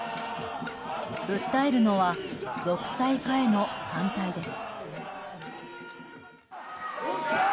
訴えるのは独裁化への反対です。